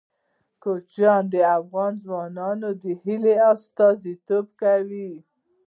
کوچیان د افغان ځوانانو د هیلو استازیتوب کوي.